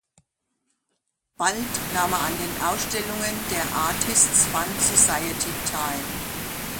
Bald nahm er an Ausstellungen der "Artists’ Fund Society" teil.